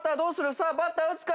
さあバッター打つか？